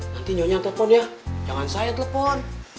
nanti nyonya telepon ya jangan saya telepon